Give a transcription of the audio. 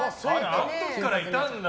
あの時からいたんだ。